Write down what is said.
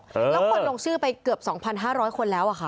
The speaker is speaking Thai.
แล้วคนลงชื่อไปเกือบ๒๕๐๐คนแล้วอะค่ะ